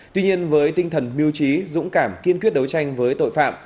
tuy nhiên với tinh thần mưu trí dũng cảm kiên quyết đấu tranh với tội phạm